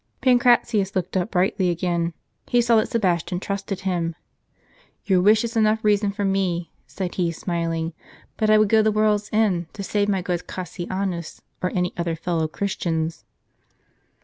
Pancratius looked up brightly again ; he saw that Sebas tian trusted him. "Your wish is enough reason for me," said he, smiling; "but I would go the world's end to save my good Cassianus, or any other fellow Christians."